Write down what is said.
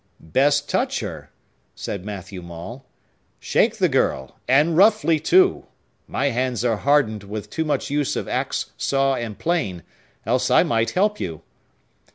"Best touch her!" said Matthew Maule "Shake the girl, and roughly, too! My hands are hardened with too much use of axe, saw, and plane,—else I might help you!"